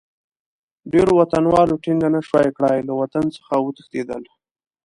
ډېرو وطنوالو ټینګه نه شوای کړای، له وطن څخه وتښتېدل.